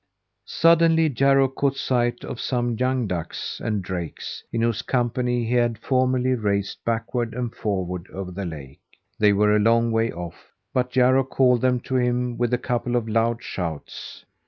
Suddenly Jarro caught sight of some young ducks and drakes, in whose company he had formerly raced backward and forward over the lake. They were a long way off, but Jarro called them to him with a couple of loud shouts.